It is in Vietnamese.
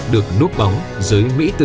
được núp bóng dưới mỹ tử